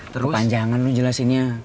jangan jangan lu jelasinnya